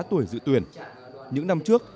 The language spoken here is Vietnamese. tuổi dự tuyển những năm trước